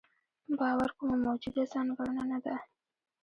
باور کومه موجوده ځانګړنه نه ده.